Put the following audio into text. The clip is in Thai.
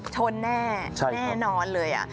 ชนแน่แน่นอนเลย